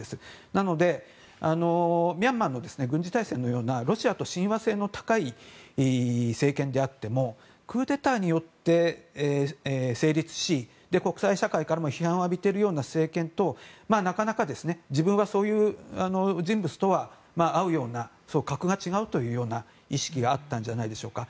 なので、ミャンマーの軍事体制のようなロシアと親和性の高い政権であってもクーデターによって成立し国際社会からも批判を浴びているような政権となかなか自分はそういう人物と会うような格が違うというような意識があったんじゃないでしょうか。